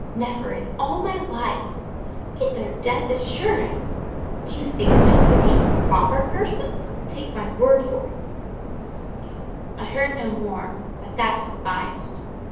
—never in all my life—!—get their death as sure as—! Do you think, my dear, she's a proper person? Take my word for it—" I heard no more; but that sufficed.